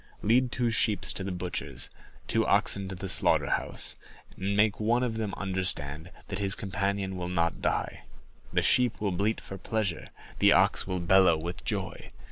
Lead two sheep to the butcher's, two oxen to the slaughterhouse, and make one of them understand that his companion will not die; the sheep will bleat for pleasure, the ox will bellow with joy.